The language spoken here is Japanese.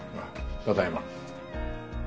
ただいま。